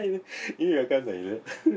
意味わかんないよね。